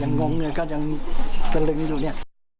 ยังงงก็ยังตระลึงอยู่นี่